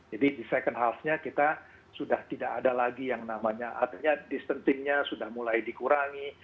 jadi di second half nya kita sudah tidak ada lagi yang namanya artinya distancing nya sudah mulai dikurangi